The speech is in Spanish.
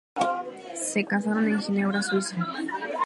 Se casaron en Ginebra, Suiza.